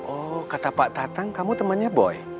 oh kata pak tatang kamu temannya boy